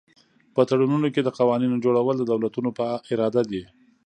په تړونونو کې د قوانینو جوړول د دولتونو په اراده دي